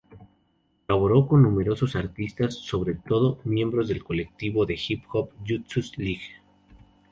Colaboró con numerosos artistas, sobre todo miembros del colectivo de hip hop Justus League.